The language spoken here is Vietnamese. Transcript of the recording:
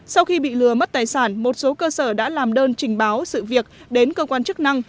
sau khi bị lừa mất tài sản một số cơ sở đã làm đơn trình báo sự việc đến cơ quan chức năng